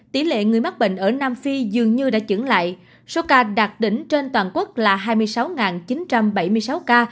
tỷ lệ người mắc bệnh ở nam phi dường như đã trứng lại số ca đạt đỉnh trên toàn quốc là hai mươi sáu chín trăm bảy mươi sáu ca